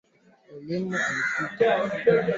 Hatua za kufuata kupika viazi vya mapondo